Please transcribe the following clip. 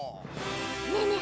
ねえねえ